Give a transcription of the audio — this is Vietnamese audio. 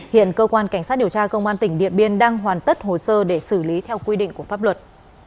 hiện cơ quan cảnh sát điều tra công an tỉnh điện biên đang hoàn tất hồ sơ để xử lý theo quy định của pháp luật